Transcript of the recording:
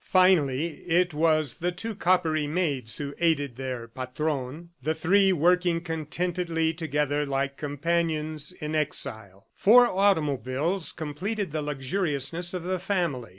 Finally it was the two coppery maids who aided their Patron, the three working contentedly together like companions in exile. Four automobiles completed the luxuriousness of the family.